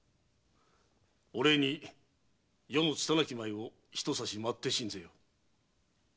お礼に余のつたなき舞を一さし舞ってしんぜよう。